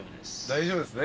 大丈夫です。